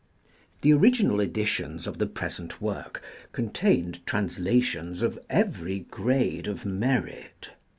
The original editions of the present work contained translations of every grade of merit.